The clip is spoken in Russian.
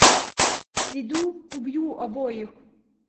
Приду - убью обоих!